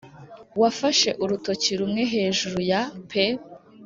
wafashe urutoki rumwe hejuru ya pee;